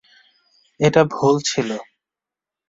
এটা ভুল ছিল।